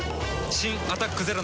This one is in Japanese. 新「アタックＺＥＲＯ」